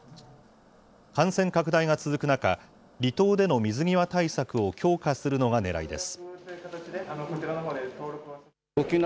感染拡大が続く中、離島での水際対策を強化するのがねらいです。